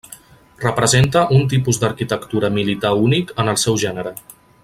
Representa un tipus d'arquitectura militar únic en el seu gènere.